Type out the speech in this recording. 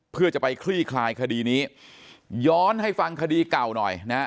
เพื่อจะไปคลี่คลายคดีนี้ย้อนให้ฟังคดีเก่าหน่อยนะฮะ